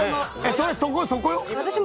それそこよ？